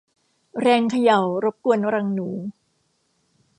แรงเขย่ารบกวนรังหนู